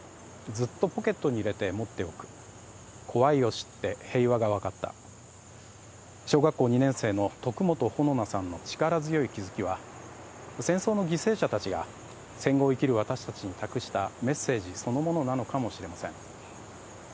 「ずっとポケットにいれてもっておく」「こわいをしってへいわがわかった」小学校２年生の徳元穂菜さんの力強い気づきは戦争の犠牲者たちが戦後を生きる私たちに託したメッセージそのものなのかもしれません。